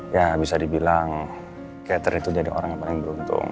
ya bisa dibilang cater itu jadi orang yang paling beruntung